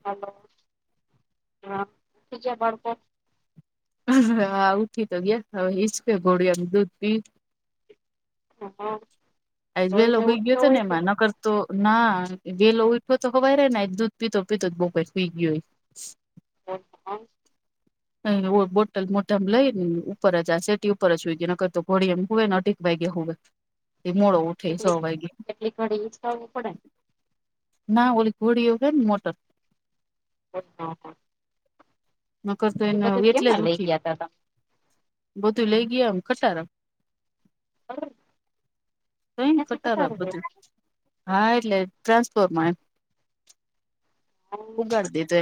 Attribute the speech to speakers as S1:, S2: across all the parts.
S1: Hello હા તજ બકો
S2: હા ઉઠી તો ગયા હવે ઈજ કે ઘોડિયા ન દૂધ પી
S1: હા હા
S2: આજઈ ગયો ને મા ન કરતો તો ના ગેલો ઉઊઠો તો ખવાર રે દૂધ પીતો પીતો બહ પ પઈ ગયો હોય
S1: ઓમ.
S2: બોટલ મોટામ લઈ ને ઉપર જ આ સેટી ઉપર જ હોઈ ગઈને તો ઘોડી એમ હો ને વગે હોવે એ મળ સો
S1: કેટલીક
S2: વાગ્યા
S1: કેટલીક ઘડી હિચકાવવું પડે ને
S2: ના ઓલી ઘોડીઓ કે ને મોટર
S1: હ હા હા
S2: નકર તો એને એટલે જ
S1: કેમાં લઈ
S2: ઉઠી
S1: ગયા તા
S2: બધું લઈ ગયા એમ ખટાર.
S1: તમે
S2: કઈ કટાર
S1: ખબર
S2: બધું. હા એટલે ટ્રાન્સફોર માં એમ.
S1: ત્યાંથી
S2: ઉગાડ દીધ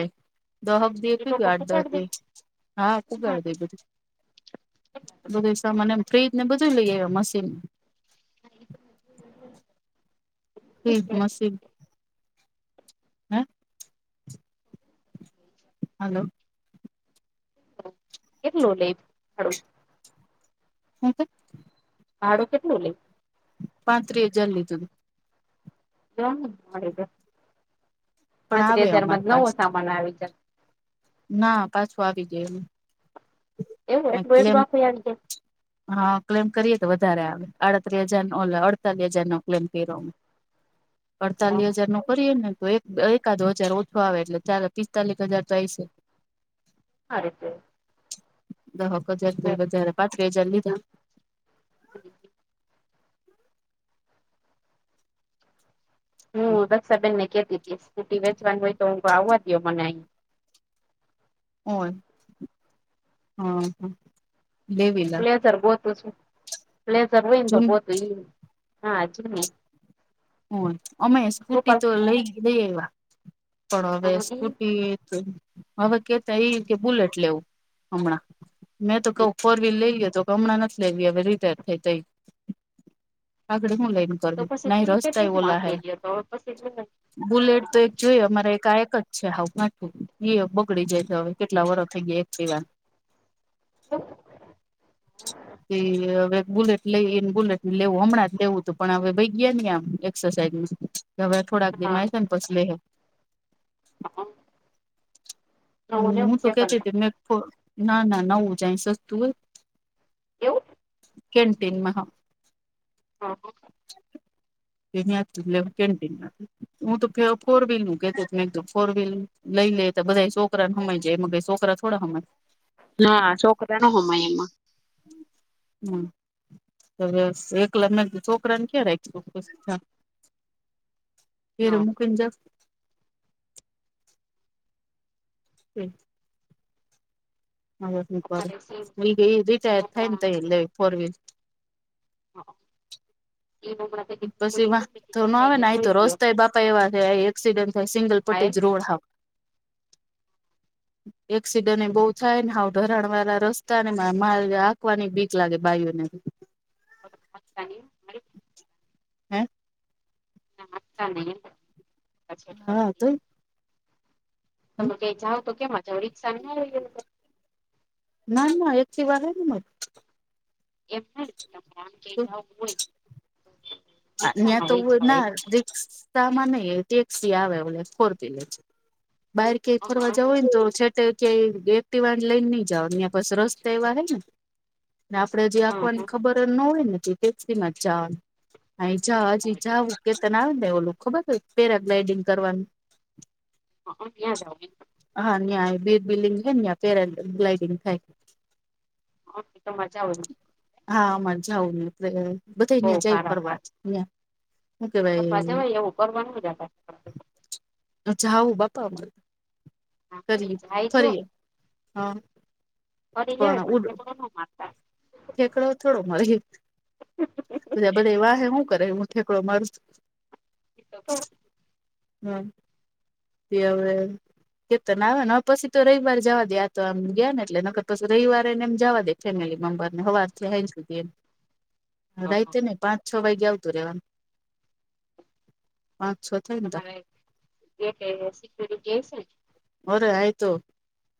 S2: દહક દે
S1: પટાડી એ લોકો
S2: કેગાડ.
S1: પટાડી
S2: હા કુંગા દ બધુ. બધું સાને ફ્રીજ ને બધું લઈ મશીન
S1: હા.
S2: ી મસી હા. હલો.
S1: કેટલું લેડું
S2: હ તો.
S1: ભાડું કેટલું લે.
S2: પાંત્રીજલ ત.
S1: ના મળી ગ
S2: પણ
S1: પાંત્રી
S2: આવે
S1: હજાર માં
S2: અમારી
S1: નવો
S2: પાસે
S1: સામાન આવી જ.
S2: ના પાછું આવી જાય એમ
S1: એવું
S2: ક્લેમ
S1: એટલું એ થ છે.
S2: હા ક્લેમ કરીએ તો વધારે આવે આડત્રીસ હજાર નો અડતાલીસ હજાર નો ક્લેમ કર્યો અ. અડતાલીસ હજાર નો કરીએ ને તો એક. એકાદો હજાર ઓછો આવે એટલે ચાલે પિસ્તાલીસ હજાર તો આઈ છે.
S1: હ રીતે.
S2: દક હજાર તો વધારે પાચ્રી હજાર લીધા.
S1: હ. હું બસબનને કેતી હતી સ્કૂટી વેચવાની હોય તો હું આવવા દયો મને.
S2: હો હમ હ. લેવી લા
S1: પ્લેઝર ગોતું છ પ્લેઝર હોય ને તો
S2: જૂન
S1: ગોતું એ હા જ નને
S2: હ અમે
S1: ગોપાલ
S2: સ્કૂટી તો લઈ લઈ એવા. પણ હવે
S1: ઈ
S2: સ્કૂટી હવે કેતા એ રીતે બુલેટ લેવું હમણા. મેં તો ક ફોર વ્હીલ લઈ ગ તો હમણાં નથી લેવી હવે રીપેર થઈ તઈ. આગડી હું લઈન
S1: તો
S2: કરવી
S1: પછી
S2: નહી
S1: બુલેટ
S2: રસ્તાય
S1: એટલું
S2: ઓલા હૈ
S1: આંકડી ગયો તો પછી
S2: બુલેટ તો એક મારે એક જ છે હું એ બગડી જાય છે હવે કેટલા વર થઈ ગયા એક સિવા
S1: હ.
S2: કે હવે બુલેટ લઈને બુલેટ લેવું હમણાં જ લેવું હતું પણ હવે ભાઈ ગયા આમ એક્સરસાઇઝ ન હવે થોડાક દિ.
S1: હા
S2: [unintelligible]
S1: નવું
S2: હમ હું
S1: નેવું
S2: તો
S1: સેકન્ડ
S2: કેતી કે ના ના નવું જાય સસ્તું હોય.
S1: કેવું?
S2: કેન્ટીનમાં.
S1: હા
S2: [unintelligible] કેન્ટીનમાંથી હું તો ફોર વ્હીલ નું કેતો મે ફોર વ્હીલ લઈ લે બધાય છોકરા સમાયી જાય એમ છોકરા થોડા સમાય?
S1: ના છોકરા નો હોમાય એમાં
S2: હમ. હ એકલા છોકરા ને ક્યાં રાખીશું? ઘેર
S1: હા
S2: મૂકી જાવ? હમ
S1: અમારે સેમ એ
S2: રિટાયર થાય ને
S1: હમણાં
S2: ત્યારેજ લેવી ફોર વ્હીલર
S1: હ એ બ [unintelligible]
S2: બસ એમા થો ન આવે ને અહી તો
S1: ગયો
S2: રોસ્તા બાપા એવા થયા એક્સિડેન્ટ થસે તોય સિંગલ
S1: હા એમ
S2: પટીજ રોડ આવે
S1: [inaudible]
S2: એક્સિડન્ટ બહુ થાય અને સાવ ધરાણ વાળા રસ્તા ને એમા માલ આંકવાની બીક લાગે બાઈઓને તો.
S1: [inaudible] મારી
S2: હે? હા તોય
S1: [unintelligible] તમે ક્યાઈ જાઓ તો સેમા જાવ રિક્ષા
S2: ના ના એક્ટિવા નથી મારી
S1: એમ નથી આમ તમારે કઈક જવુ હોય રિક્ષામાં વહી જાય
S2: ના રિક્ષામા નઈ ટેક્સી આવે ફોર વ્હીલર છે. બહાર ક્યાય ફરવા જવુ હોય ને તો ક્યાંય એક્ટિવા લઈને નઈ જવાનુ અહીંયા પાછા રસ્તા એવા છેને આપણેે જયા આકવાની
S1: તમારે
S2: ખબર ન હોય ને ત્યા ટેક્સી મા જવાનુ. હા ઈજાજ ઈજા ઉકે તને આવે ને એ ખબર હો પેરાગ્લાઇડિંગ કરવાનું.
S1: [unintelligible]
S2: હા અહી ત્યા બેર બિલ્ડિંગ છે ને ત્યા પેરાગ્લાઈડિંગ થાય.
S1: હ તો મજા આવ [unintelligible]
S2: હા અમારે જાવુ ને એટલે બધાય ત્યા જાય ફરવા જ
S1: પણ મજામા એવુ ફરવાનુ
S2: અચ્છા આવું બાપા બધ કરીએ
S1: જાય
S2: ફરીએ હા [unintelligible]
S1: ફરી જાઓ ને
S2: પણ
S1: તો ત્યા
S2: ઉડ
S1: ઠેકડો ના માંગતા
S2: ઠેકડો થોડો મળે બધા વાહે સુ કરે હુ ઠેકડો મારુ તો
S1: [inaudible]
S2: હમ તે હવે કે તોને આવે પછી તો રવિવાર જવા દે આ તો આમ ગયા ને એટલે નહિતો પછી રવિવાર એને આમ જવા દે ફેમિલી મેમ્બર ને સવાર થી સાંજ સુધી એમ રાત ને પાંચ છ વાગ્યે આવતુ રહેવાનુ. છ થાય ને તા
S1: તમારે ગેટે સિક્યુરિટી હસે ને?
S2: અરે અહી તો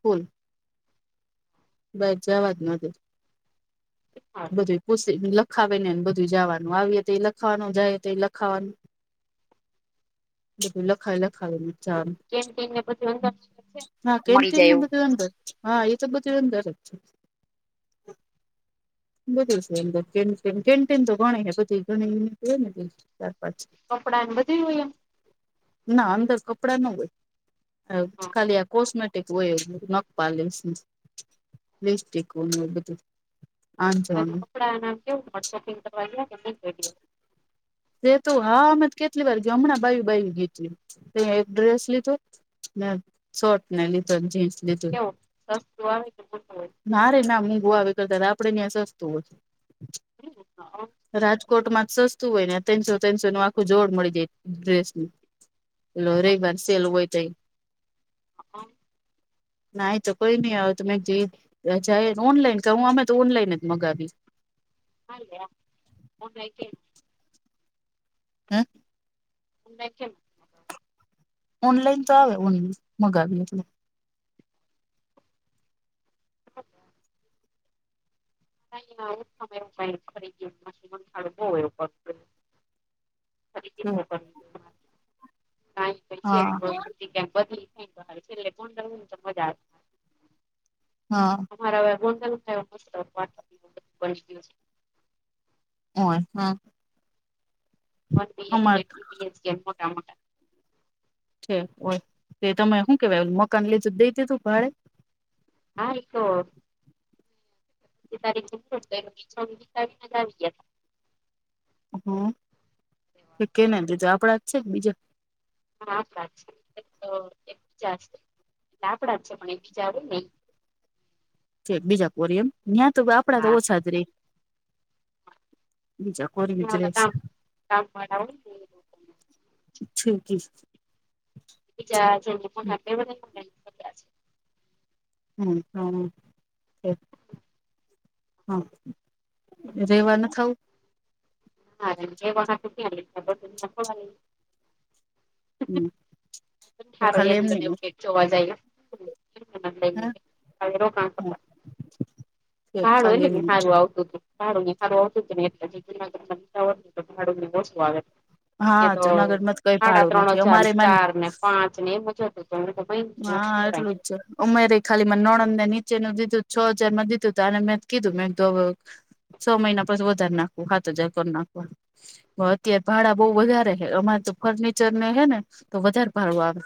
S2: ફૂલ. બહાર જવાજ ના દે બધુ પૂછે લખાવેને એમ બધુ જવાનુ આવીએ તો પણ લખાવાનુ જઈએ તો પણ લખાવાનુ. બધુ લખાવી લખાવી નેજ
S1: કેન્ટીન ને બધું અંદર છે.
S2: જવાનુ
S1: મળી
S2: કેન્ટીન
S1: જાય
S2: ને
S1: એવું.
S2: બધુ અંદર હા એ તો બધુ અંદર જ છે. બધુ છે એમતો કેન્ટીન તો ગણી બધી છે ઘણી હોય ને ચાર પાંચ
S1: કપડા અને બધુ હોય એમ
S2: ના અંદર કપડા ના હોય ખાલી આ કોસ્મેટ હોય એ ન લ બધું [unintelligible] આંજણ
S1: કારણકે કપડા ને આમ કેવુ બહાર સોપિંગ કરવા ગયા હોય ને એમ
S2: એતો હા અમે કેટલીય વાર ગયા હમણા બાયુ બાયુ ગયાતા એક ડ્રેસ લીધો અને શર્ટ લીધા અને જીન્સ લીધુ.
S1: સસ્તુ આવે કે મોંઘુ હોય?
S2: નારે ના મોંઘુ આવે જરા આપડે ત્યા સસ્તુ હોય.
S1: હ [inaudible]
S2: રાજકોટમાં જ સસ્તુ હોય ને ત્રણસો ત્રણસોનુ આખુ જોડ મળી જાય ડ્રેસનુ.
S1: હોય
S2: રવિવાર સેલ હોય ત્યા
S1: હ [inaudible]
S2: ના અહી તો કોઈ નહી આવે તો ઓનલાઈન કરિએ અમે તો ઓનલાઈન જ મંગાવીએ.
S1: હલે ઓમઈતે.
S2: હમ.
S1: એ કે.
S2: ઓનલાઈન તો આવે ઓનન મગા આપ ત
S1: હચ. નું સમયાય ખડ બ એવું પડ. પૈી
S2: હા
S1: અનુભવ. ક્યાંક બદલી થાય છેલ્લે પણવું ને તો મજા આવે.
S2: હા.
S1: રા ગોલાયં દ.
S2: હો હા. અમાર
S1: કે મોટા મોટા.
S2: છે હોય તે તમે શું કેવાય મકાન લીધું દઈ દીધું ભાડે.
S1: હા તારી તારી જ આવી ગયા.
S2: હમ કેને બજ આપડા જ છે બીજા.
S1: હા આપડા જ છે તો એકબીજા એટ આપડા જ છે પણ એકબીજા આવું નહી.
S2: બીજા કોરી એમ જ્યાં તો આપડા તો ઓછા જ રે બીજા. કોરી
S1: ને હા
S2: ગુજરેશ
S1: કામ કામ વાળા હોય ને એ લોકોને
S2: છેીકી.
S1: બજ છેને હાેધ.
S2: હમ હમ. હા રેવા ન ખાવું.
S1: હા એ વા સુૂટ.
S2: આવું તો ખાલી
S1: ઠારોનીવ.
S2: એમને
S1: જોવા જાય ક.
S2: [inaudible]
S1: સારું એટલે
S2: ખાલી
S1: કે
S2: એમ
S1: સારું આવું. ભા ને સારું હતું જ ને એટ જગઢ ભાડું ને ઓું આવે. એ
S2: હા
S1: તો
S2: જુનાગઢમાં જ કઈ
S1: સાડા
S2: ભાડું
S1: ત્રણ
S2: નથી
S1: હજાર
S2: અમારે મન
S1: ચાર ને પાંચ ને એમ જતું. બમ તો ભઈ શ એ લાગને.
S2: ઉમેરે ખાલી નોણંદ ને નીચેનુંું દીધું છ હજાર માં દીધું તો અને મે કીધું મેં. છ મહિના પછી વધારે નાખવું સાત હજાર કર નાખવા. અત્યારે ભાડા બહ વધારે હ અમારે તો ફર્નિચર ને હે ને તો વધારે ભાડું આવે.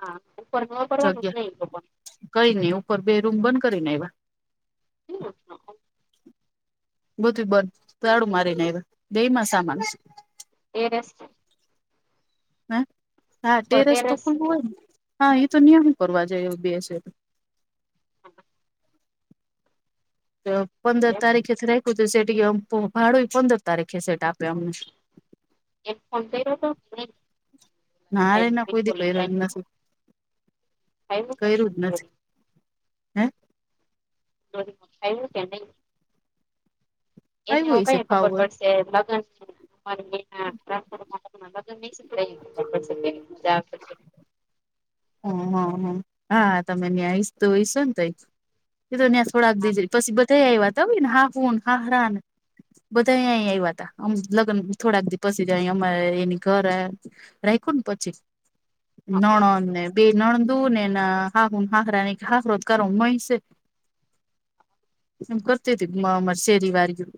S1: હા ઉપર હ ફનું જ
S2: જગ્યા
S1: નહીં તો.
S2: કઈ નહી ઉપર બે રૂમ બંધ કરીને એવા.
S1: હ ઓ.
S2: ગુ બંધ તાડું મારીને આવ બે માં સામાન.
S1: એ રસ.
S2: હે હા
S1: ઉપર
S2: ટેરસ તો
S1: ટેરેસ
S2: ખુલ્લુ હોય ને. હા એ તો નિયમિ કરવા જાય એવું બે સે. પંદર તારીખે જ રાયખુ સેટી એમ ભાડુયે પંદર તારીખે સેટ આપે અમને.
S1: એક ફોન કયરો તો [inaudible] નહી
S2: કયરુ જ
S1: ખબર
S2: નથી. હે!
S1: જરીક [unintelligible] આયવુ કે ની. એને અવે
S2: આવ્યું હશે
S1: કઈ ખબર
S2: ફાવર
S1: પડશે લગન [inaudible] [inaudible] [inaudible]
S2: હમ હ હ હા તમે ન્યાયશ તો હોયશો ને તઈ જ. એ તો ન્યાં સોડાક દઈ જ પછી બધા આયવા તા ને હાહુ ને, હહરા ને... બધા અંયા્યાહ તા આમ લગન થોડાક દી પસી જાય અમા એની ઘર રાયખું ને પછી નણને બે નણંદુ નેન અ હાહુ હાખરા ને ખાસ રોજકારો હોંય સે. એમ કરતી તી મ મા શેરી વાારીગું.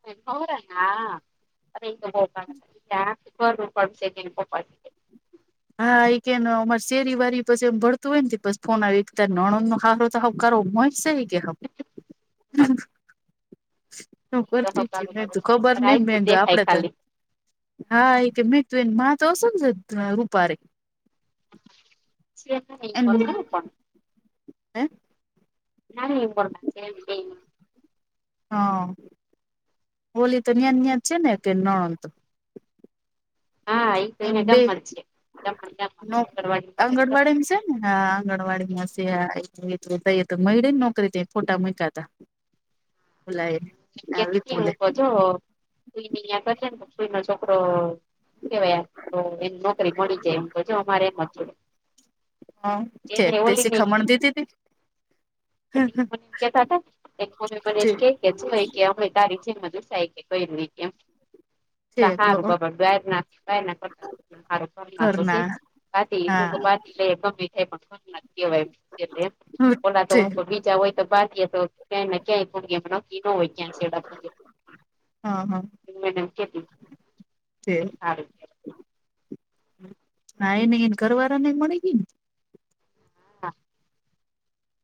S1: ઓરા આ [inaudible]
S2: હા એ કે અમારે શેરી વારી પસી એમ ભળતું હોય તે ફોન આવી નણંદ નો હાહ તહ કરો મોય સે હ કે હમ. શું કરતી તી મે ખબર નહ
S1: રાયખું
S2: મેધ
S1: દેખાય
S2: આપડે તો.
S1: ખાલી
S2: હા એ મેત તું એ મા તો ઝ રૂપારે
S1: [inaudible]
S2: એની
S1: પણ
S2: હે.
S1: ના એ બ [inaudible]
S2: હ, હોલી તો ન્યા ન્યા છે ને કે નણંત.
S1: હા ઈ તો
S2: એમ
S1: અહીંયા
S2: બે
S1: ગામમાં જ છે ગામમાં ને ગામમાં
S2: ન
S1: જ આંગણવાડી નોકરી કરતી
S2: આંગણવાડીન સે. હા આંગણવાડીમાં સે [inaudible] ત મયડી જ નોકરી તે ખોટા મૂયકા તા. ઓલા એ
S1: થી
S2: આ
S1: કજ
S2: વિપુલે
S1: [inaudible] કર ને સુઈ ન છોકરો કેવાય તો એક નોકરી મળી જે એ કજ અમારે એમ જ
S2: હા
S1: છે
S2: કે
S1: એને
S2: તે
S1: ઓલી ને એટલે
S2: સીખામણ દીધી તીતી.
S1: [inaudible] કેતા તા એક [inaudible] મ
S2: ઠેક
S1: કે છેકે અમે તારી જેમ દાસાઈ કે કે કયરુ એમ. ત
S2: ઠેક
S1: હારુ
S2: હઅ
S1: બબર બેર ના બેર કરતા. માર ઘ તો સે
S2: ઘરના
S1: ભાતી એવું
S2: હા
S1: ભ [inaudible] ગમે. એ પણ ખ કેવાય
S2: હ
S1: ઓલા
S2: ઠેક
S1: તો બીજા હોય તો બાકી તો કેને કે પણગ મન નકી ન હોય ક્યાં સેડ.
S2: હ હ
S1: [inaudible]
S2: હા ઈની ઘર વારા ને મળી ગયી.
S1: હમ્મ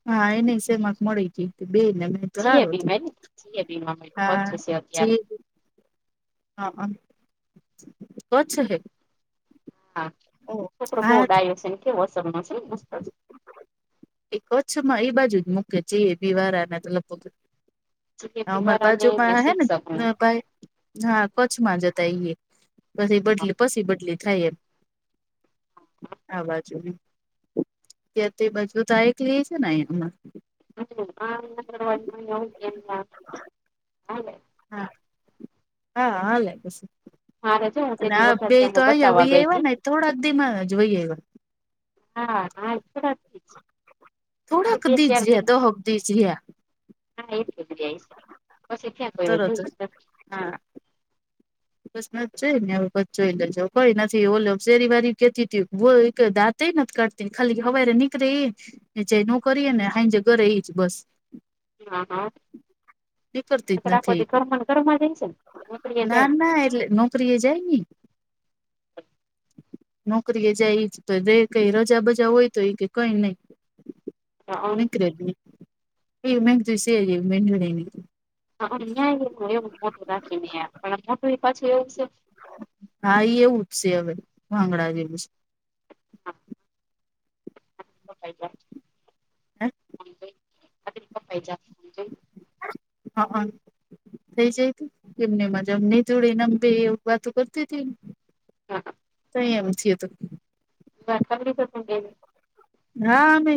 S2: હા એને સેમાં મળી તીતી બેને. તો
S1: જીએ
S2: હારુ
S1: બી
S2: તુ.
S1: માં ને જીએ બી માં
S2: હા
S1: પચ્ચીસ છે
S2: જે.
S1: અત્યારે
S2: હા હ કચ હે.
S1: હા છોકળો બઉ
S2: હા
S1: ડાયો સે ને કેવો અ સમનો સે ને પૂસતો.
S2: એ કચ્છ માં એ બાજુ જ મૂકે જેઈબી વારાને તો લગ
S1: જીએપી
S2: અમાર
S1: વાળાને
S2: બાજુમાં હે ને
S1: શિક્ષકને
S2: ભાઈ હા કચ્છમાં જતા ઈએ પસી એ બદલી, પસી બદલી. થઈએ. આ બાજુને ત્ય તે બાજુ ત એકલીએ સે ને એમાં.
S1: [inaudible]
S2: હા, હા હાલે સ.
S1: મારે જો હું તે
S2: અને
S1: દી
S2: આ બે તો
S1: વઘાસિયામાં
S2: આ વઈ
S1: બતાવવા ગઈ
S2: આવ્યા
S1: તી
S2: ને થોડા દીમા જ વહી આયવા.
S1: હા હાજ થરા થી જ.
S2: થોડાક
S1: બે
S2: દીજ
S1: ચાર દિન
S2: રયા દહક દીજ રયા.
S1: હા એ [inaudible] પસી ક્યાં કોઈ
S2: તરત
S1: જોઈ
S2: જ.
S1: નથી
S2: હા બસ જોઈ ને હ બ જોઈ લેજો કોઈ નથી. ઓલું શેરી વારી કેતી ત્યુ હોવે ઈ કે દાંત તે નથી કાઢતી ખાલી હવારે નીકળે એ જે નો કરીએ ને હાજે ઘરે એજ બસ.
S1: હા હા
S2: નીકળતી જ
S1: નકર આખો
S2: નથી
S1: દી ઘરમાં ને ઘરમાં જ હશે ને કે નોકરી
S2: ના
S1: જાય.
S2: ના એટલે નોકરી એ જાયને. નોકરી એ જાય ઈજ. કઈ રજા બજા હોય તો ઈ કે કઈ નહી. નિકરે જ ની. એ મેં કીધું છે જ એવી [inaudible]
S1: હા ન્યાય એવું મોટું રાખીને પણ મોઢું એ પાછું એવું છે ન
S2: હા એ એવું જ છે હવે ભાંગડા જેવું છે.
S1: કપાઈ જાય
S2: છે હે
S1: [inaudible] હાજરી કપાઈ જાય.
S2: હઅ ન થઈ જાય તો એમ ને એમ જ આમ નીતુડી ને અમે બે વાતો કરતું હતું ને
S1: હા હા
S2: તઈ એમ થયું તું.
S1: રાખ આવડી ગયા તમને બેને.
S2: હા અમે